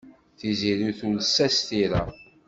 Tiziri tules-as tira.